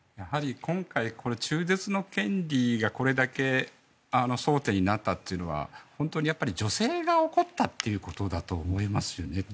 今回、中絶の権利がこれだけ争点になったというのは本当に女性が怒ったということだと思いますよね。